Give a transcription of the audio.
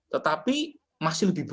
tetapi masih lebih rendah